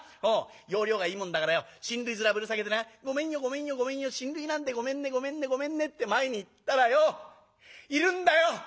要領がいいもんだからよ親類面ぶら下げてな『ごめんよごめんよごめんよ親類なんでごめんねごめんねごめんね』って前に行ったらよいるんだよ。